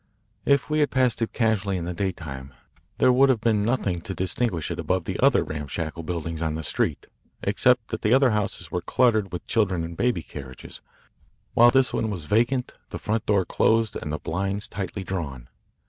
If we had passed it casually in the daytime there would have been nothing to distinguish it above the other ramshackle buildings on the street, except that the other houses were cluttered with children and baby carriages, while this one was vacant, the front door closed, and the blinds tightly drawn.